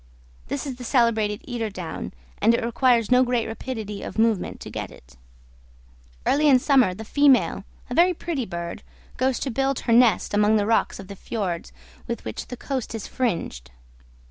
This is the celebrated eider down, and it requires no great rapidity of movement to get it. Early in summer the female, a very pretty bird, goes to build her nest among the rocks of the fiords with which the coast is fringed.